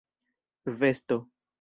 vesto